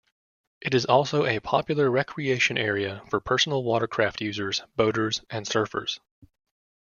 It is also a popular recreation area for personal watercraft user, boaters, and surfers.